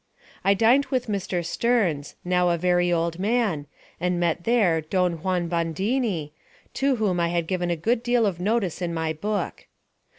I dined with Mr. Stearns, now a very old man, and met there Don Juan Bandini, to whom I had given a good deal of notice in my book.